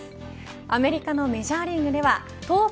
アメリカのメジャーリーグでは登板